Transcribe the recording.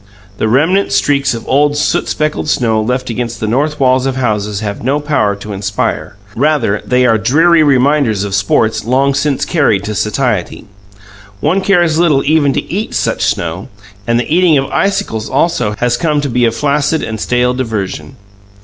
The remnant streaks of old soot speckled snow left against the north walls of houses have no power to inspire; rather, they are dreary reminders of sports long since carried to satiety. One cares little even to eat such snow, and the eating of icicles, also, has come to be a flaccid and stale diversion.